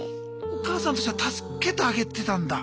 お母さんとしては助けてあげてたんだ。